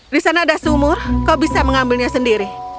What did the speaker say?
di sana ada sumur kau bisa mengambilnya sendiri